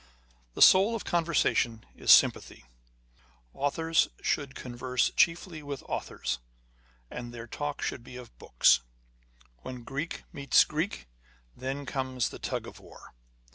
The soul of conversation is sympathy. â€" Authors should converse chiefly with authors, and their talk should be of books. " When Greek meets Greek, then comes the tug of war."